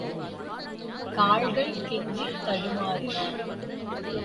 கால்கள் கெஞ்சித் தடுமாறின.